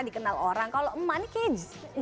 dikenal orang kalau emma ini kayaknya